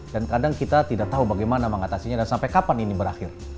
dan kadang kita tidak tahu bagaimana mengatasinya dan sampai kapan ini berakhir